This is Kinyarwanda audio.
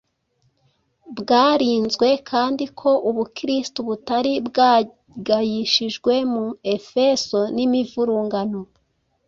bwarinzwe kandi ko Ubukristo butari bwagayishijwe mu Efeso n’imivurungano.